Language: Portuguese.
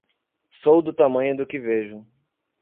Sou do tamanho do que vejo!